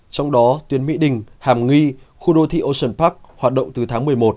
trong đó tuyến mỹ đình hàm nghi khu đô thị ocean park hoạt động từ tháng một mươi một